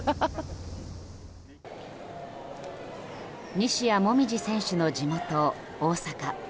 西矢椛選手の地元・大阪。